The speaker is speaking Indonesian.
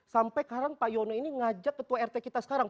sampai sekarang pak yono ini ngajak ketua rt kita sekarang